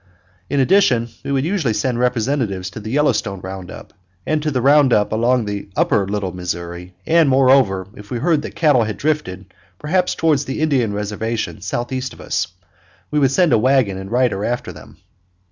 In addition we would usually send representatives to the Yellowstone round up, and to the round up along the upper Little Missouri; and, moreover, if we heard that cattle had drifted, perhaps toward the Indian reservation southeast of us, we would send a wagon and rider after them.